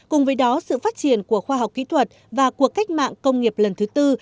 cùng với đó sự phát triển của khoa học kỹ thuật và cuộc cách mạng công nghiệp lần thứ tư